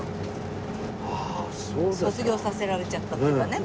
卒業させられちゃったっていうかね